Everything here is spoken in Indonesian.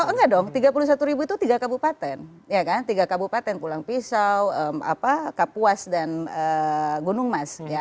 oh enggak dong tiga puluh satu ribu itu tiga kabupaten tiga kabupaten pulang pisau kapuas dan gunung mas